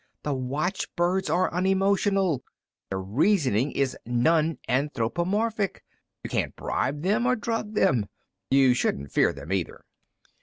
The watchbirds are unemotional. Their reasoning is non anthropomorphic. You can't bribe them or drug them. You shouldn't fear them, either."